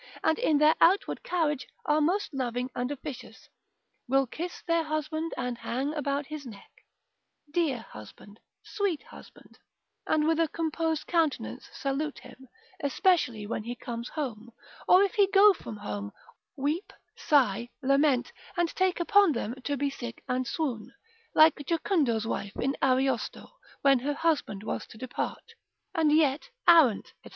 and in their outward carriage are most loving and officious, will kiss their husband, and hang about his neck (dear husband, sweet husband), and with a composed countenance salute him, especially when he comes home; or if he go from home, weep, sigh, lament, and take upon them to be sick and swoon (like Jocundo's wife in Ariosto, when her husband was to depart), and yet arrant, &c.